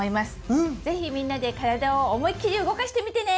是非みんなで体を思いっきり動かしてみてね！